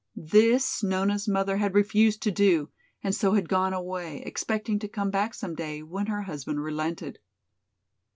This Nona's mother had refused to do and so had gone away, expecting to come back some day when her husband relented.